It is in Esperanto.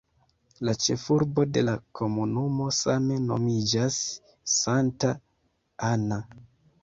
La ĉefurbo de la komunumo same nomiĝas "Santa Ana".